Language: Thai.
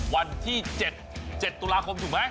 วันที่๗๗ตุลาคมถูกไหม